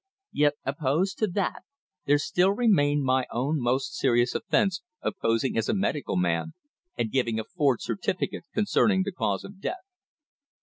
Yet, opposed to that, there still remained my own most serious offence of posing as a medical man and giving a forged certificate concerning the cause of death.